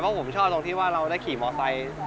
เพราะผมชอบตรงที่ว่าเราได้ขี่มอไซค์